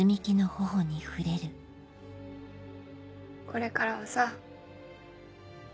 これからはさ。